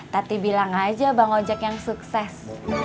tati bilang aja bang ojek yang sukses